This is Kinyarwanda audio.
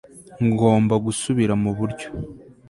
ngomba gusubira muburyo